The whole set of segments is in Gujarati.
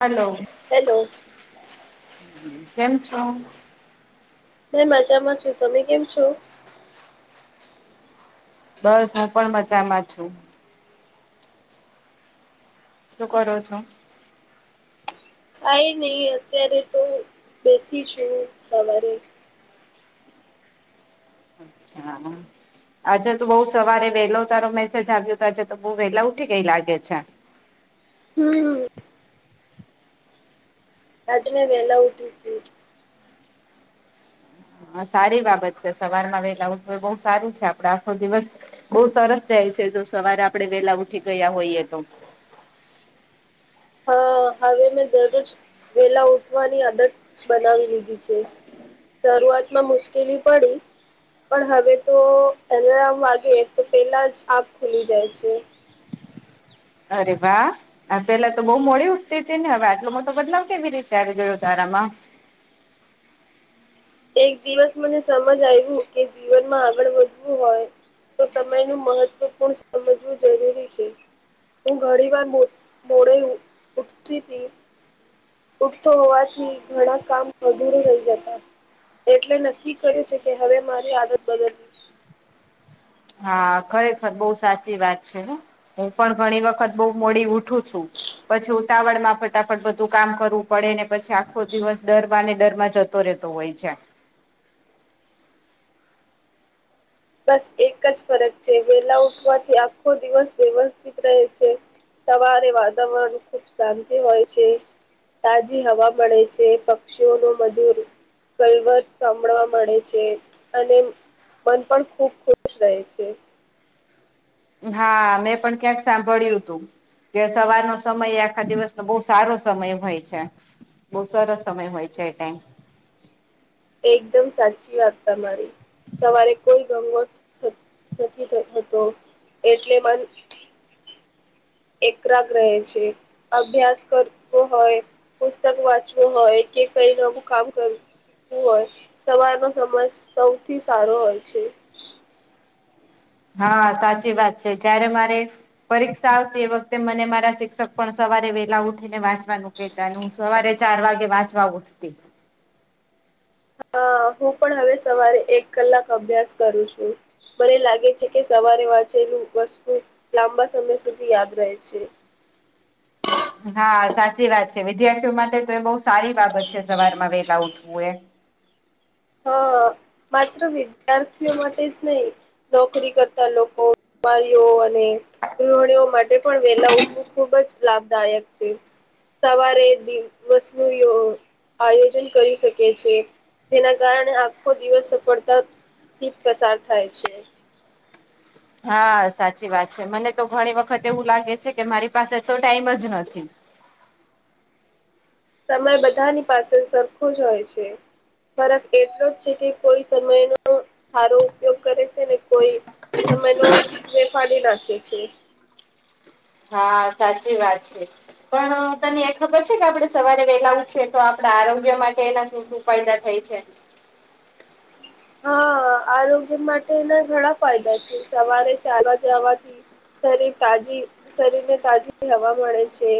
હલો હેલો કેમ છો મે મજામાં છું તમે કેમ છો બસ હું પણ મજામાં છું શું કરો છો કઈ નહી અત્યારે તો બેસી છું સવારે અછા હા. આજે તો બઉ સવારે વેલો તારો મેસેજ આવ્યો હતો આજે તો બઉુ વેલા ઉઠી કઈ લાગે છે. હમ. આજ મેં વેહેલા ઉઊઠી હતી. હા સારી બાબત છે સવાર માં વેલાવ તો બહ સારું છે આપડ આખો દિવસ. બઉુ સરસ જાય છે જો સવારે આપણે વેલા ઉઠી ગયા હોઈએ તો. હા હવે મેં દરરોજ વેલા ઉઠવાની આદત બનાવી લીધી છે. શરૂઆત માં મુશ્કેલી પડી. પણ હવે તો અલારમ વાગે તો પેલા જ આગ ખુલી જાય છે. અરે વા. આ પેલા તો બહુ મોડી સ્થિતિ ને હવે આટલો મોટો બદલાવ કેવી રીતે આવી જોયો તારામાં. એક દિવસ મને સમજ આવ્યું કે જીવનમાં આગળ વધવું હોય. તો સમય ન મહત્વપૂર્ણ સમજવું જરૂરી છે. હું ઘણી વાર મો મોડે ઉઊઠતી હતી. ઉઠતો હોવાથી ઘણા કામ અધૂર રહી જતા. એટલે નક્કી કરે છે કે હવે મારી આદત બદલવી. હા ખરેખર બહુ સાચી વાત છે હું પણ ઘણી વખત બઉ મોડી ઉઠું. પછી. ઉતાવળ માં ફટાફટ બધું કામ કરવું પડે ને પછી આખો દિવસ ડર બાને ડર માં જતો રહેતો હોય છે. બસ એક જ ફરક છે વેલા ઉઠવાથી આખો દિવસ વ્યવસ્થિત રહે છે. સવારે વાતાવરણ ખુબ શાંતિ હોય છે. તાજી હવા મળે છે પક્ષીઓ ન મધુર. કલવત સાંભળવા મળે છે અને મન પણ. ખૂબ ખુશ રહેહી છે. હા મેં પણ ક્યાંક સાંભળ્યું તું. કે સવારનો સમય આખા દિવસનો બહુ સારો સમય હોય છે. બઉુ સરસ સમય હોય છે એ ટાઈમ. એકદમ સાચી વાત તમારી. સવારે કોઈ ગંગો નથીતો એટલે મન. એકરા ગ રહે રહે છે. અભ્યાસ કરવો હોય પુસ્તક વાંચવું હોય કે કઈ નવું કામ કરું. શીખવું હોય સવારનો સમય સૌથી સારો હોય છે. હા સાચી વાત છે જય્યારે મારે. પરીક્ષા આવતી એ વખતે મને મારા શિક્ષક પણ સવારે વેલા ઉઠી ને વાંચવાનું. પતાનું હ સવારે ચાર વાગે વાંચવા ઉઠતી. હા હું પણ હવે સવારે એક કલાક અભ્યાસ કરું છું. મને લાગે છે કે સવારે વાંચેલું વસ્તુ લાંબા સમય સુધી યાદ રહે છે. હા સાચી વાત છે વિદ્યાર્થીઓ માટે તો એ બહ સારી બાબત છે સવાર માં વેગા ઉઠવું એ. હા માત્ર વિદ્યાર્થીઓ માટે જ નહી નોકરી કરતા લોકો. રીઓ અને ગૃહણીઓ માટે. પણ વેલા ઉઠવું ખુબ જ લાભદાયક છે. સવારે દ વસ્ુ આયોજન કરી શકે છે. જેના કારણે આખો દિવસ સફળતા થી પસાર થાય છે. હા સાચી વાત છે મને તો ઘણી વખત એવું લાગે છે કે મારી પાસે તો ટાઈમ જ નથી. સમય બધાની પાસે સરખો જ હોય છે. ફરક એટલો જ છે કે કોઈ સમયનો. સારો ઉપયોગ કરે છે ને કોઈ સમય ન વેફારી રાખે છે. હા સાચી વાત છે. પણ તને એ ખબર છે કે આપડણે સવારે વેલા ઉઠીએ તો આપણા આરોગ્ય માટે એના શ. પેદા થઈ છે. હા આરોગ્ય માટે એના ઘણા ફાયદા છે સવારે ચાલવા જવાથી. શરીર તાજી શરીર ને તાજી હવા મળે છે.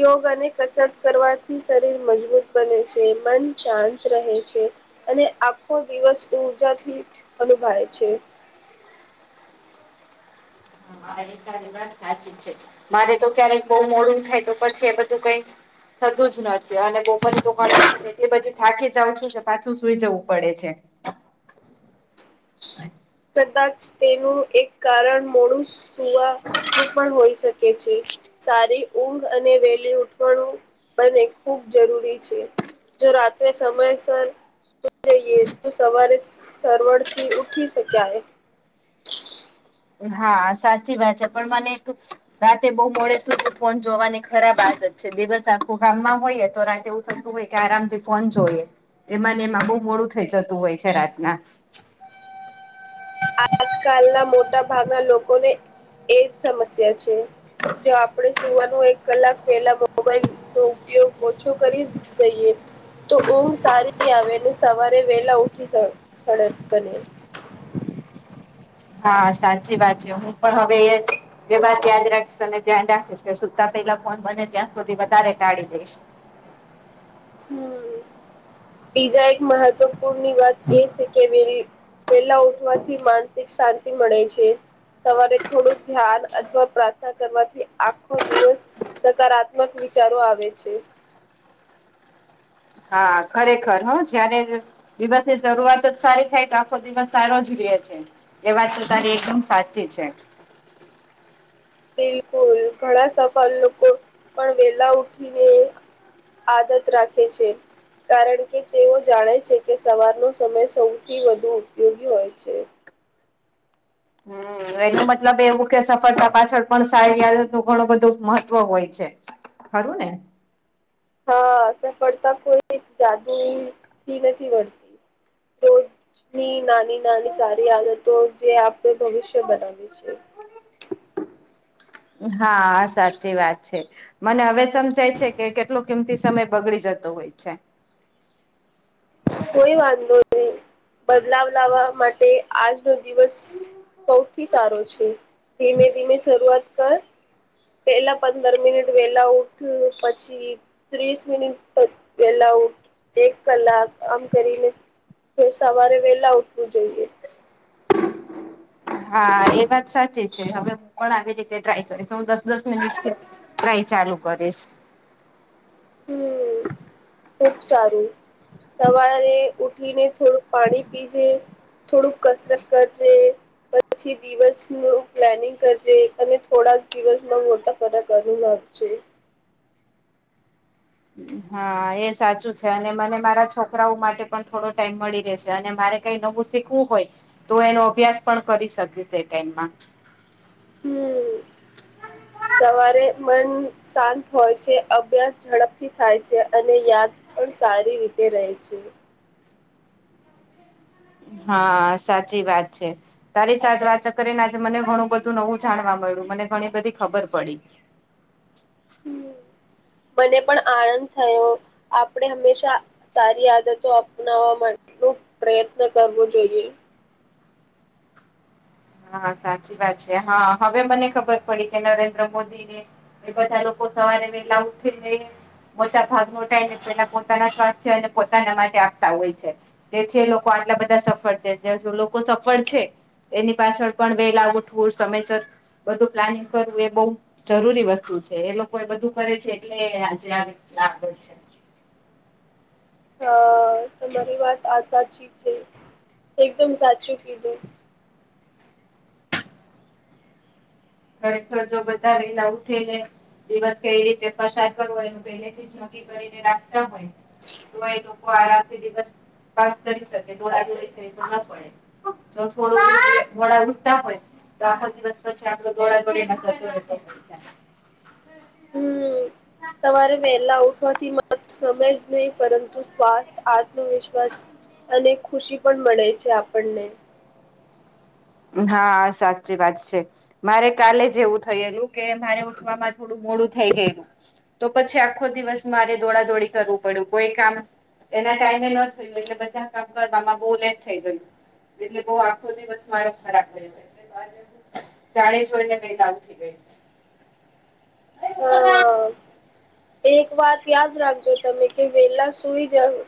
યોગ અને કસરત કરવાથી શરીર મજબૂત બને છે મન શાંત રહે છે. અને આખો દિવસ ઉઊર્જાથી અનુભવે છે. સાચી છે મારે તો ક્યારેક બહ મોડું થાય તો પછી એ બધું કઈ થતું જ નથી અને બપર એ બધી થાકી જઉં છું ને પાછું સુઈ જવું પડે છે. કદાચ તેનું એક કારણ મોડું સુવા હું પણ હોઈ શકે છે સારી ઊંઘ અને વેલી ઉઠવાણું બને ખૂબ જરૂરી છે. જો રાત્રે સમયસર જઈએ તો સવારે સરવડ થી ઉઠી શ્યા [inaudible] હા સાચી વાત છે પણ મને એક રાતે બહુ મોે સુધી ફોન જોવાની ખરાબ આદત છે દિવસ આખું ગામમાં હોયએ તો રાતે થતું હોય કે આરામથી ફોન જોઈએ એમાંને એમાં બહુ મોડું થઈ જતું હોય છે રાતના આજકાલના મોટા ભાગના લોકોને એજ સમસ્યા છે. જો આપણે સુવાનું એક કલાક પેલા મોબાઈલ નો ઉપયોગ ઓછો કરી દઈએ તો ઊંઘ સારી આવેને સવારે વેલા ઉઠી સરડ બને હા સાચી વાત છે હું પણ હવે એ જ એ વાત યાદ રાખીજે અનેને ધ્યાન રાખીશ કે સુતા પેલા ફોન બને ત્યાં સુધી વધારે ટાઢી દઈશ. હમ બીજા એક મહત્વપૂર્ણની વાત એ છે કે વેલી વેલા ઉઠવાથી માનસિક શાંતિ મળે છે. સવારે થોડું ધ્યાન અથવા પ્રાર્થના કરવાથી આખો દિવસ સકારાત્મક વિચારો આવે છે. હા ખરેખર હું જને દિવસ ની શરૂઆત જ સારી થાય આખો દિવસ સારો જ રહે છે. એ વાત તો તારી એકદમ સાચી છે. બિલકુલ ઘણા સફર લોકો પણ વેલા ઉઠીને આદત રાખે છે. કારણ કે તેઓ જાણે છે કે સવારનો સમય સૌથી વધુ ઉપયોગી હોય છે. હમ એનો મતલબ એવું કે સફળતા પાછળ પણ શારી નું ઘણું બધું મહત્વ હોય છે. ખરુને હા સફળતા કોઈ જાદુ થી નથી મળતી. રોજની નાની નાની સારી આદતો જે આપણે ભવિષ્ય બનાવીએ છે. હા સાચી વાત છે. મને હવે સમજાય છે કે કેટલો કિંમતી સમય બગડી જતો હોય છે. કોઈ વાંધો નહી બદલાવ લાવવા માટે આજનો દિવસ સૌથી સારો છે ધીમે ધીમે શરૂઆત કર પેલા પંદર મિનિટ વેલા ઉઠ પછી ત્રીસ મિનિટ વેલાઉટ એક કલાક આમ કરીને તો સવારે વેલા ઉઠવું જોઈએ. હા એ વાત સાચી છે હવેું પણ આવી રીતે ટ્રાય કરીશ હું દસ દસ મિનિટ ટ્રાય ચાલુ કરીશ. હમ ખુબ સારું સવારે ઉઠીને થોડુંક પાણી પીજે થોડુંક કસરત કરજે પછી દિવસ ન પ્લાનિંગ કરજે તમે થોડા દિવસમાં મોટા વઘારા કરી આપ જે હા એ સાચું છે અને મને મારા છોકરાઓ માટે પણ થોડો ટાઈમ મળી રહેશે અને મારે કઈ નવું શીખવું હોય તો એનો અભ્યાસ પણ કરી શકીશ એ ટાઇમાં હમ સવારે મન. શાંત હોય છે અભ્યાસ ઝડપથી થાય છે અને યાદ. પણ સારી રીતે રહે છે. હા સાચી વાત છે. તારી સા વાત કરીને આજે મને ઘણું બધું નવું જાણવા મળ્યું મને ઘણી બધી ખબર પડી. હ મને પણ આનંદ થયો આપણે હંમેશા. સારી આદતો અપનાવવા માટે ન પ્રયત્ન કરવો જોઈએ. હા સાચી વાત છે હા હવે મને ખબર પડી કે નરેન્દ્ર મોદી ને. એ બધા લોકો સવારે વેલા ઉઠી જઈ. મોટા ભાગ નટાયને તેના પોતાના સ્થ પોતાના માટે આપતા હોય છે. તેથી લોકો આટલા બધા સફળ છે જે લોકો સફળ છે. એની પાછળ પણ બેલાુંુંર સમયસર બધું પ્લાનિંગ કરવું એ બ. જરૂરી વસ્તુ છે એ લોકો એ બધું કરે છે એટલે આજે આ રી લ છે. હા તમારી વાત આ સાચી છે એકદમ સાચું કીધું. ઘરેખર જો બધા એલા ઉઠી ને દિવસ કેવી રીતે ફસાયદ કરવા એ પેલે થી. ખ હોય તો. આરામથી દિવસ પાસ કરી શકે દો થ ના પડે. તો થોડું વડા ઉતા હોય તો આખો દિવસ પછી. ગોડા ગોડી. હમ સવારે વહેલા ઉઠવાથી માત્ર સમય જ નહીિ પરંતુ શ્વાસ. આત્મવિશ્વાસ અને ખુશી પણ મળે છે આપણને. હા સાચી વાત છે. મારે કાલે જવું થયેલું કે મારે ઉઠમાં થોડું મોડું થઈ ગયેલું. તો પછી આખો દિવસ મારે દોડાદોડી કરવું પડ્યું કોઈ કામ. એના ટાઈમે ન થયું એટલે બધા કામ કરવામાં બહ લેટ થઈ ગયું એટલે બ આખો દિવસ. મારો ખરાબ લઈ જાણી છને કઈ લ ઉી ગઈ. [inaudible] હા એક વાત યાદ રાખજો તમે કે વેલા સુઈ જાઓ.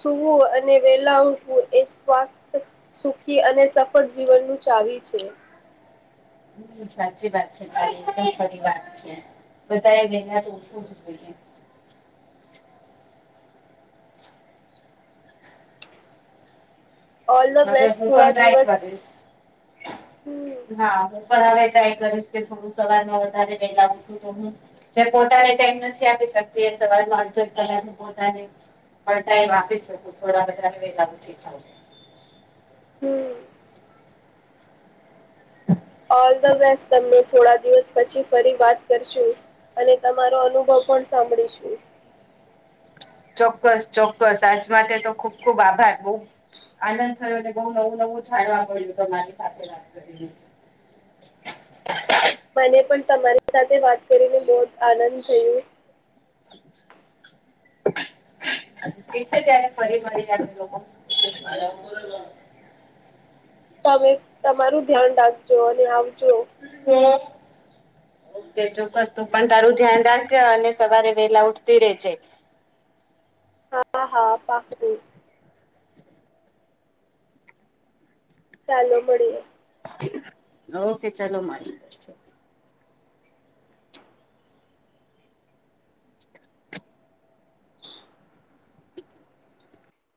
સુૂવું અને વેલા ઉઠવું એ સ્સ્થ. સુખી અને સફળ જીવનનુંું ચાવી છે. સાચી વાત છે મા એકદમ ખરી વાત છે. બધા એ લેના તોછું છું. ઓલ ધ હવે બેસ્ટ હું થોડા પણ ટ્રાય દિવસ. કરીશ. હમ હા હું પણ હવે ટ્રાય કરીશ કે થોડું સવારમાં વધારે વેલા ઉઠું તો હું. જે પોતાને ટાઈમ નથી આપી શકતી એ સવાલ અડથ કદા પોતાને. પણ ટાઈમ આપી શકું થોડા બધા વેગા ઉઠી. હમ્. હ [unintelligible] ઓલ ધ બેસ્ટ તમે થોડા દિવસ પછી ફરી વાત કરશું. અને તમારો અનુભવ પણ સાંભળીશું. ચોક્કસ ચોક્કસ આજ માટે તો ખુબ ખુબ આભાર બહ આનંદ. થું ને બહ નવું નવું જાડવા મળ્યું તોરી સાથે વાત કરીને. મને પણ તમારી સાથે વાત કરીને બહ જ આનંદ થયો. [inaudible] ઠીક છે ત્યારે ફરી મળી જ. તમે તમારું ધ્યાન રાખજો અને આવજો. ઓકે ચોક્કસ તો પણ તારું ધ્યાન રાખજે અને સવારે. વેલા ઉઠતી ર રહે છે હા હા પા ચાલો મળીએ ઓકે ચલો મળીએ. પછી.